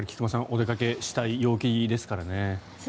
お出かけしたい陽気ですからね。